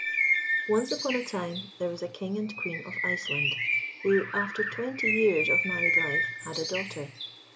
Once on a time there was a King and Queen of Iceland, who, after twenty years of married life, had a daughter.